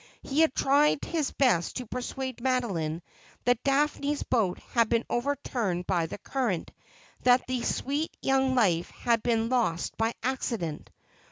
He had tried his best to persuade Madoline that Daphne's boat had been overturned by the current, that the sweet young life had been lost by accident.